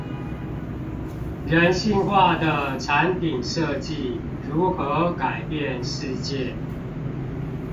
人性化的產品設計如何改變世界